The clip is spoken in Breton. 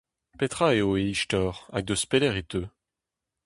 Petra eo e istor hag eus pelec'h e teu ?